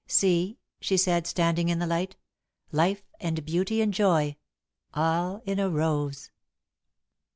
"See," she said, standing in the light; "life and beauty and joy all in a rose."